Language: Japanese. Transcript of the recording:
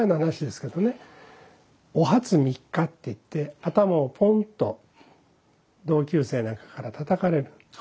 「お初三日！」って言って頭をポンと同級生なんかからたたかれる。